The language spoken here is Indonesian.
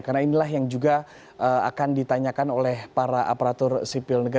karena inilah yang juga akan ditanyakan oleh para aparatur sipil negara